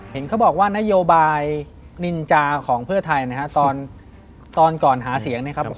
เห็นเขาบอกว่านโยบายนินจาของเพื่อไทยนะฮะตอนก่อนหาเสียงนะครับ